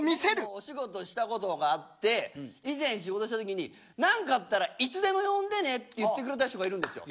お仕事したことがあって以前、仕事したとき何かあったらいつでも呼んでねと言ってくれた人がいるんですよ。